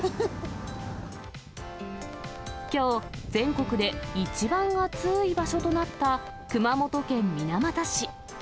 きょう、全国で一番暑い場所となった熊本県水俣市。